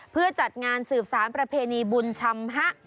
เพื่อจัดงานสืบสารประเพณีบุญชำฮะ